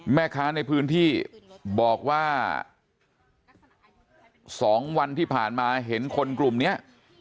แม่ค้าในพื้นที่บอกว่า๒วันที่ผ่านมาเห็นคนกลุ่มนี้